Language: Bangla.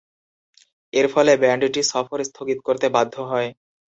এর ফলে ব্যান্ডটি সফর স্থগিত করতে বাধ্য হয়।